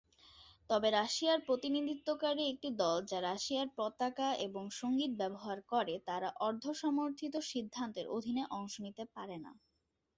তবে রাশিয়ার প্রতিনিধিত্বকারী একটি দল যা রাশিয়ার পতাকা এবং সংগীত ব্যবহার করে তারা অর্ধ-সমর্থিত সিদ্ধান্তের অধীনে অংশ নিতে পারে না।